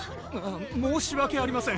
申しわけありません！